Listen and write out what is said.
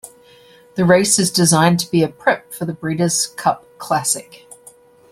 The race is designed to be a prep for the Breeders' Cup Classic.